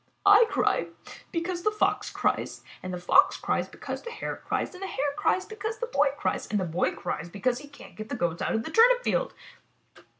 ''I cry because the Fox cries, and the Fox cries because the Hare cries, and the Hare cries because the Boy cries, and the Boy cries because he can't get the Goats out of the turnip field."